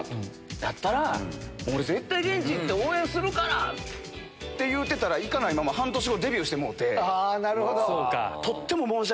だったら、俺、絶対現地行って応援するからって言うてたら、行かないまま、ああ、なるほど。